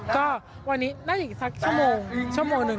ก็วันนี้น่าจะอีกสักชั่วโมงชั่วโมงหนึ่ง